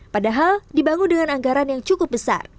padahal dibangun dengan anggaran yang cukup besar